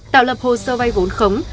tạo lập hồ sơ vay vốn khống